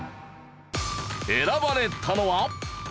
選ばれたのは。